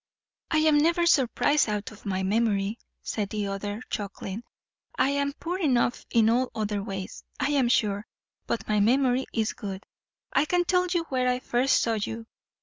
"I am never surprised out of my memory," said the other, chuckling. "I am poor enough in all other ways, I am sure, but my memory is good. I can tell you where I first saw you.